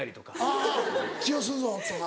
あぁ「血を吸うぞ」とか。